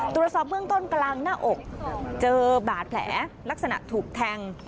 ตรวจสอบเบื้องต้นกลางหน้าอกเจอบาดแผลลักษณะถูกแทง